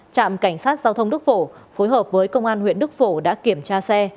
trạm cảnh sát giao thông đức phổ phối hợp với công an huyện đức phổ đã kiểm tra xe